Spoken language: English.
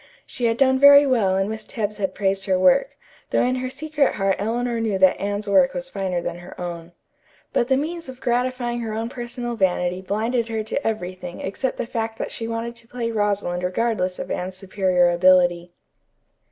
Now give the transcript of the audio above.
She had done very well and Miss Tebbs had praised her work, though in her secret heart Eleanor knew that Anne's work was finer than her own. But the means of gratifying her own personal vanity blinded her to everything except the fact that she wanted to play Rosalind regardless of Anne's superior ability.